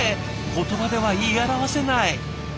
言葉では言い表せない。